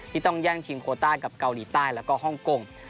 ต้องแย่งชิงโคต้ากับเกาหลีใต้แล้วก็ฮ่องกง